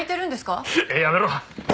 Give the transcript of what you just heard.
やめろ！